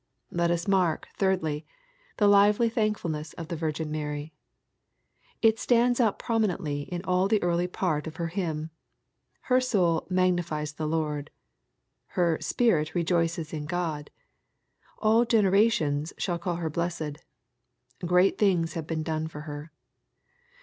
Let us mark, thirdly, the lively thanhfulneas of the Virgin Mary. It stands out prominently in all the early part of her hymn. Her "soul magnifies the Lord." Her " spirit rejoices in God." " All generations shall call her blessed." "Great things have been done for her."